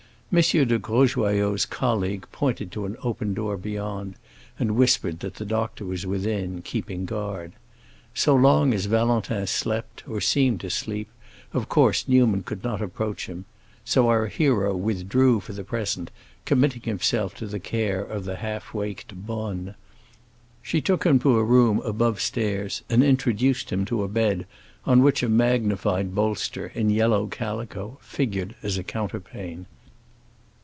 M. de Grosjoyaux's colleague pointed to an open door beyond, and whispered that the doctor was within, keeping guard. So long as Valentin slept, or seemed to sleep, of course Newman could not approach him; so our hero withdrew for the present, committing himself to the care of the half waked bonne. She took him to a room above stairs, and introduced him to a bed on which a magnified bolster, in yellow calico, figured as a counterpane.